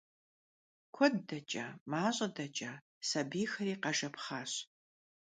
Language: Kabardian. Kued deç'a, maş'e deç'a – sabiyxeri khejjepxhaş.